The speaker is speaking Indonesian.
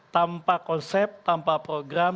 tanpa konsep tanpa program